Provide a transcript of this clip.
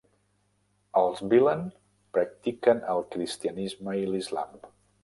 Els bilen practiquen el cristianisme i l'islam.